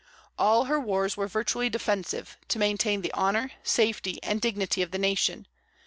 All her wars were virtually defensive, to maintain the honor, safety, and dignity of the nation.